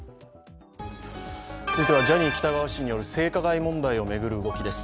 続いてはジャニー喜多川氏による性加害問題を巡る動きです。